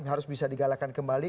harus bisa digalakkan kembali